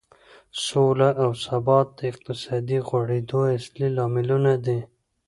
سوله او ثبات د اقتصادي غوړېدو اصلي لاملونه دي.